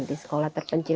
di sekolah terpencil